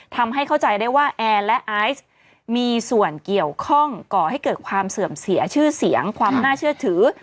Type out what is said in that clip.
ทำให้เข้าใจได้ว่าแอร์และไอซ์มีส่วนเกี่ยวข้องก่อให้เกิดความเสื่อมเสียชื่อเสียงความน่าเชื่อถือ